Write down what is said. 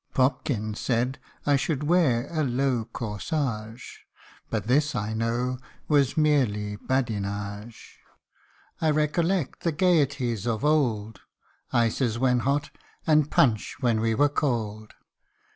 (Popkins said I should wear a low corsage, But this I know was merely badinage.} I recollect the gaieties of old Ices when hot, and punch when we were cold